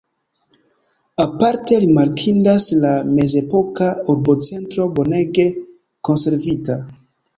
Aparte rimarkindas la mezepoka urbocentro bonege konservita.